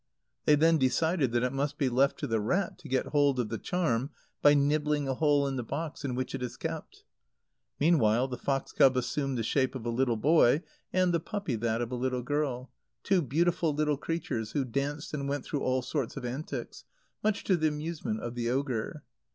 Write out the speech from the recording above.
They then decided that it must be left to the rat to get hold of the charm by nibbling a hole in the box in which it was kept. Meanwhile the fox cub assumed the shape of a little boy, and the puppy that of a little girl, two beautiful little creatures who danced and went through all sorts of antics, much to the amusement of the ogre.